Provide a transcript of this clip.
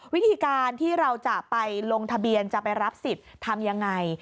วิธีการที่เราจะไปลงทะเบียนจะไปรับสิทธิ์ทำยังไง